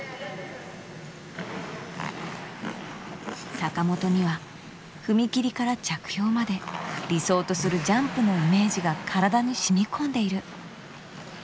坂本には踏み切りから着氷まで理想とするジャンプのイメージが体にしみ込んでいる。